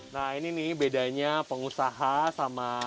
nah ini nih bedanya pengusaha sama